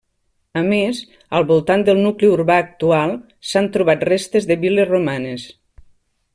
A més, al voltant del nucli urbà actual s'han trobat restes de viles romanes.